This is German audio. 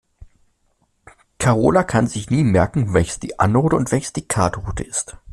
Karola kann sich nie merken, welches die Anode und welches die Kathode ist.